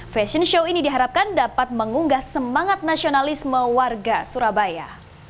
fashion show ini diharapkan dapat mengunggah semangat nasionalisme warga surabaya